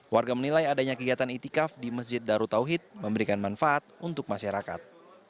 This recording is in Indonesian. warga menilai adanya kegiatan itikaf di masjid darut tauhid memberikan manfaat untuk masyarakat